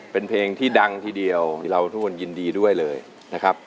เป็นเพลงที่ดังทีเดียวที่เราทุกคนยินดีด้วยเลยนะครับ